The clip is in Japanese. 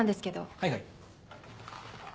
はいはい。